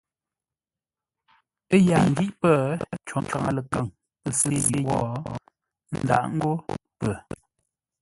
Ə́ yaa ngí pə́, cǒ ngaŋə-ləkaŋ pə̂ sê yʉʼ wó, ə́ ndǎʼ ńgó pə.